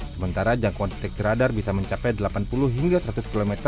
sementara jangkauan teks radar bisa mencapai delapan puluh hingga seratus km